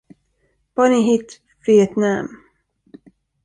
Bonnie hit Vietnam.